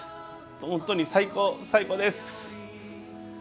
本当に最高です。